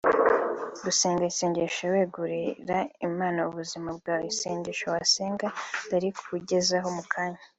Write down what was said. Gusenga isengesho wegurira Imana ubuzima bwawe(Isengesho wasenga ndarikugezaho mu kanya)